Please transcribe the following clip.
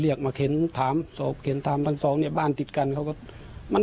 หลัง๔หรือ๕เดือนว่าท้องใหม่ถูกโน้น